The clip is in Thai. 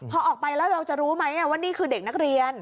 พอออกไปแล้วเราจะรู้ไหมว่านี่คือเด็กนักเรียน